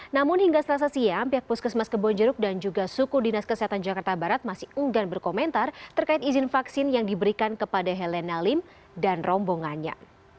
namun hingga selasa siang pihak puskesmas kebonjeruk dan juga suku dinas kesehatan jakarta barat masih unggan berkomentar terkait izin vaksin yang diberikan kepada helen nalim dan rombongannya